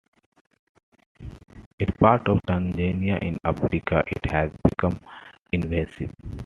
In parts of Tanzania in Africa it has become invasive.